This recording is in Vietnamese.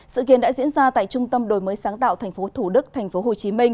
sự kiến đã diễn ra tại trung tâm đổi mới sáng tạo tp thủ đức tp hcm